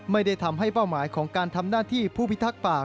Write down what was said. ไม่ได้ทำให้เป้าหมายของการทำหน้าที่ผู้พิทักษ์ป่า